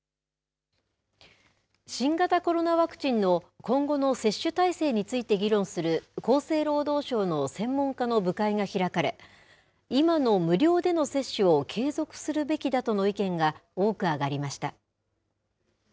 新型コロナワクチンの今後の接種体制について議論する、厚生労働省の専門家の部会が開かれ、今の無料での接種を継続するべきだとの意見が多く上がりました。